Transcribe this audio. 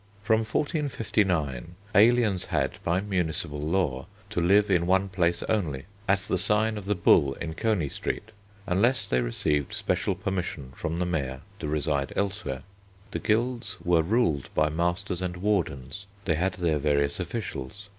From 1459 aliens had, by municipal law, to live in one place only, at the sign of the Bull in Coney Street, unless they received special permission from the Mayor to reside elsewhere. The guilds were ruled by masters and wardens. They had their various officials.